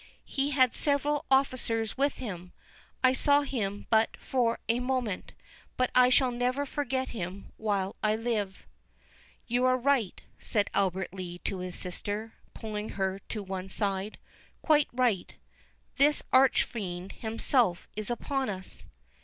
He had several officers with him, I saw him but for a moment, but I shall never forget him while I live." "You are right," said Albert Lee to his sister, pulling her to one side, "quite right—the Archfiend himself is upon us!"